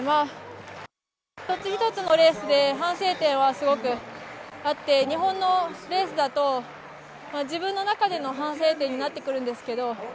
１つ１つのレースで反省点はすごくあって日本のレースだと自分の中での反省点になってくるんですけど